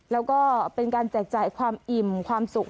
แล้วก็เป็นการแจกจ่ายความอิ่มความสุข